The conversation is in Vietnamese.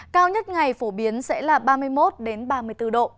cao nhất ngày phổ biến sẽ là ba mươi một ba mươi bốn độ